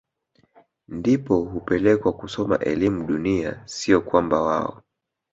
ndipo hupelekwa kusoma elimu dunia siyo kwamba wao